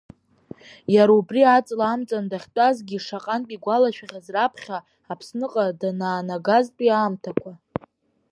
Иара убри аҵла амҵан дахьтәазгьы шаҟантә игәалашәахьаз раԥхьа Аԥсныҟа данаанагазтәи аамҭақәа.